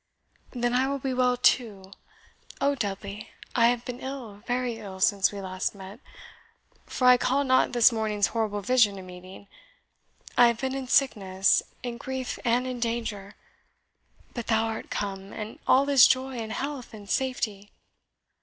"Then I will be well too. O Dudley! I have been ill! very ill, since we last met! for I call not this morning's horrible vision a meeting. I have been in sickness, in grief, and in danger. But thou art come, and all is joy, and health, and safety!"